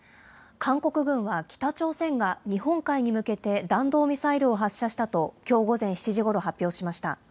韓国軍は北朝鮮が、日本海に向けて弾道ミサイルを発射したと、きょう午前７時ごろ発表しました。